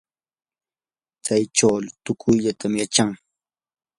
tsay chuulu tuqayllatam yachan.